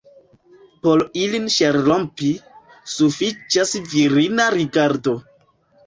Por ilin ŝelrompi, sufiĉas virina rigardo.